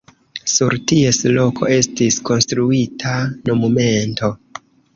Sur ties loko estis konstruita monumento.